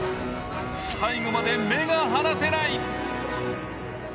最後まで目が離せない。